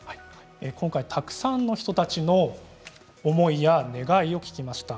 今回たくさんの人たちの思いや願いを聞きました。